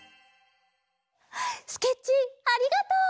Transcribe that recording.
スケッチーありがとう！